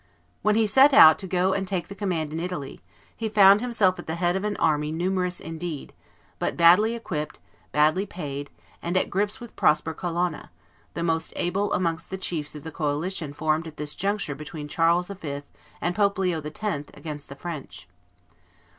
When he set out to go and take the command in Italy, he found himself at the head of an army numerous indeed, but badly equipped, badly paid, and at grips with Prosper Colonna, the most able amongst the chiefs of the coalition formed at this juncture between Charles V. and Pope Leo X. against the French.